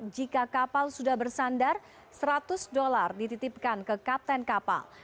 jika kapal sudah bersandar seratus dolar dititipkan ke kapten kapal